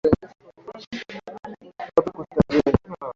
Wape kustarehe.